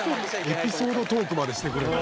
「エピソードトークまでしてくれるんや」